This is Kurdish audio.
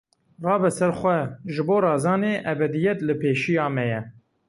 Rabe ser xwe, ji bo razanê ebediyet li pêşiya me ye!